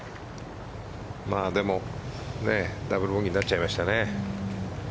でもダブルボギーになっちゃいましたね。